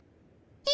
え？